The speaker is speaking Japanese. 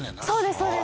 そうです